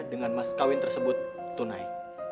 dengan mas kawin tersebut tunai